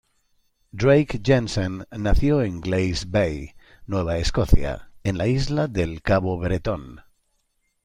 Drake Jensen nació en Glace Bay, Nueva Escocia, en la Isla del Cabo Bretón.